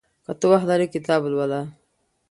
که ته وخت لرې کتاب ولوله.